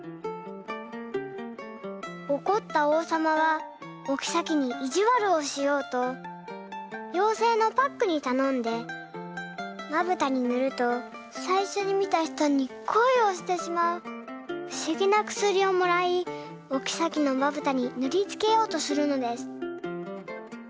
おこったおうさまはおきさきにいじわるをしようとようせいのパックにたのんで「まぶたにぬるとさいしょに見た人に恋をしてしまうふしぎなくすり」をもらいおきさきのまぶたにぬりつけようとするのです。